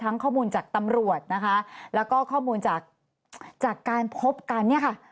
ทั้งข้อมูลจากตำรวจแล้วก็ข้อมูลจากการพบกัน